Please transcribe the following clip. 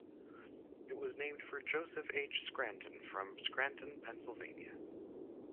It was named for Joseph H. Scranton from Scranton, Pennsylvania.